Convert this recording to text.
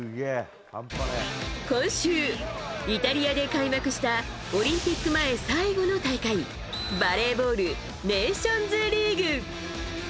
今週、イタリアで開幕したオリンピック前最後の大会バレーボールネーションズリーグ。